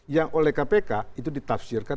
yang oleh kpk itu ditafsirkan